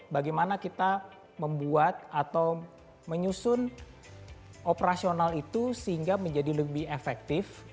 bagaimana kita membuat atau menyusun operasional itu sehingga menjadi lebih efektif